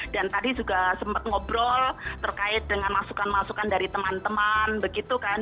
dan tadi juga sempat ngobrol terkait dengan masukan masukan dari teman teman